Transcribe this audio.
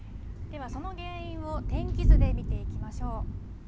では、その原因を天気図で見ていきましょう。